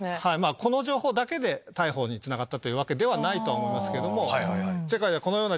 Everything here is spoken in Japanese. この情報だけで逮捕につながったというわけではないとは思います。